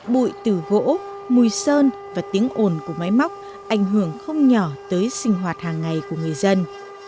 bụi từ gỗ mùi sơn và tiếng ồn của máy móc ảnh hưởng không nhỏ tới sinh hoạt hàng ngày của người dân